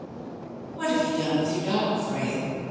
"What have you done with your dog, Frale?